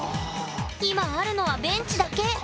今あるのはベンチだけ！